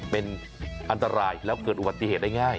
เป็นอันตรายแล้วเกิดอุบัติเหตุได้ง่าย